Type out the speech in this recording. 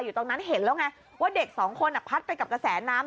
ตรงนั้นเห็นแล้วไงว่าเด็กสองคนพัดไปกับกระแสน้ำ